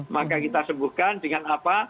maka kita sembuhkan dengan apa